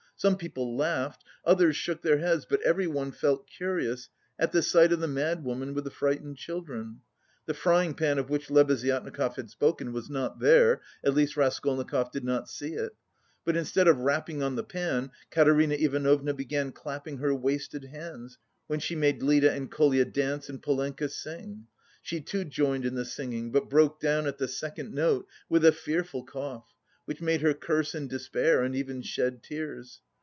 Some people laughed, others shook their heads, but everyone felt curious at the sight of the madwoman with the frightened children. The frying pan of which Lebeziatnikov had spoken was not there, at least Raskolnikov did not see it. But instead of rapping on the pan, Katerina Ivanovna began clapping her wasted hands, when she made Lida and Kolya dance and Polenka sing. She too joined in the singing, but broke down at the second note with a fearful cough, which made her curse in despair and even shed tears.